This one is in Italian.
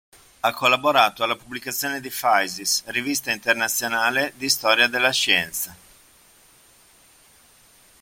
Ha collaborato alla pubblicazione di Physis, rivista internazionale di Storia della Scienza.